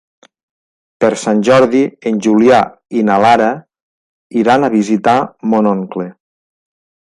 Per Sant Jordi en Julià i na Lara iran a visitar mon oncle.